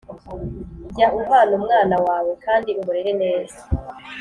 Jya uhana umwana wawe kandi umurere neza,